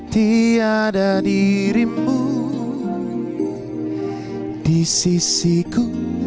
tiada dirimu di sisiku